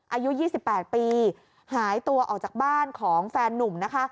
อายุ๒๘ปีหายตัวออกจากบ้านของแฟนนุ่มนะคะ